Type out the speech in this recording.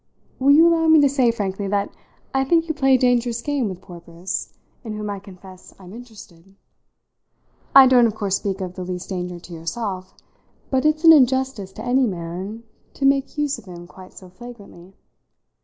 Will you allow me to say frankly that I think you play a dangerous game with poor Briss, in whom I confess I'm interested? I don't of course speak of the least danger to yourself; but it's an injustice to any man to make use of him quite so flagrantly.